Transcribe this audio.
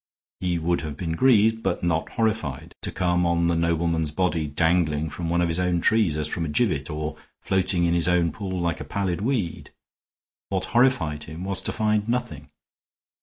He would have been grieved, but not horrified, to come on the nobleman's body dangling from one of his own trees as from a gibbet, or floating in his own pool like a pallid weed. What horrified him was to find nothing.